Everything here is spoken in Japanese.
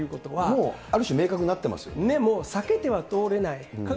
もうある種、明確になってま避けては通れない。